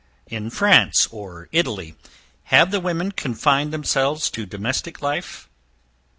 In France or Italy have the women confined themselves to domestic life?